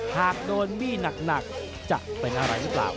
หากโดนบี้หนักจะเป็นอะไรหรือเปล่า